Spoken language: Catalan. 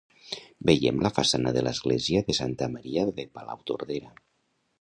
Veiem la façana de l'església de Santa Maria de Palautordera